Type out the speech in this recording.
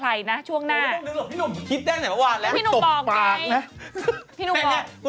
พี่หนุ่มพี่คิดได้ไหนเมื่อวันแล้วตบปากนะพี่หนุ่มบอกไง